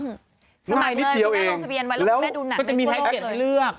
สมัครเลยพี่แม่ลงทะเบียนไว้แล้วพี่แม่ดูหนักไม่ต้องเลือกแล้วก็จะมีแพ็คเก็ตให้เลือก